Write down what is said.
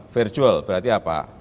virtual berarti apa